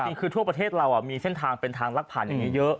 จริงคือทั่วประเทศเรามีเส้นทางเป็นทางลักผ่านอย่างนี้เยอะ